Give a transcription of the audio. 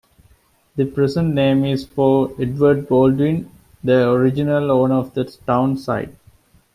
The present name is for Edward Baldwin, the original owner of the town site.